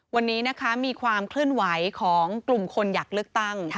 วันนี้นะคะมีความเคลื่อนไหวของกลุ่มคนอยากเลือกตั้ง